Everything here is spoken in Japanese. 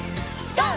ＧＯ！